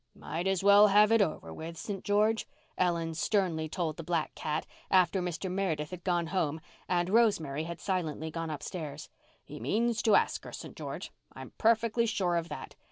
"Might as well have it over with, St. George," Ellen sternly told the black cat, after Mr. Meredith had gone home and Rosemary had silently gone upstairs. "He means to ask her, St. George—I'm perfectly sure of that.